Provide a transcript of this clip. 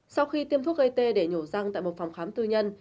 sau khi tiêm thuốc gây tê để nhổ răng tại một phòng khám tư nhân